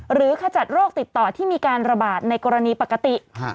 ขจัดโรคติดต่อที่มีการระบาดในกรณีปกติ